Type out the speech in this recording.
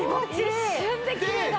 一瞬できれいだ！